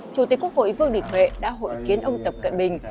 chủ tịch quốc hội vương đình huệ đã hội kiến ông tập cận bình